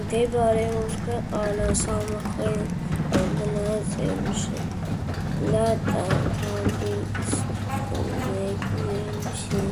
მდებარეობს ქვეყნის სამხრეთ ნაწილში, ლატგალიის რეგიონში.